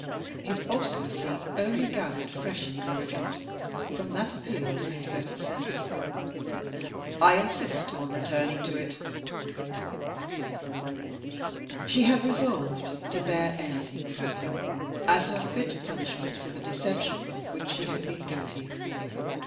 His obstinacy only gathered fresh encouragement from that appeal to his better sense. "I insist on returning to it." She had resolved to bear anything from him as her fit punishment for the deception of which she had been guilty.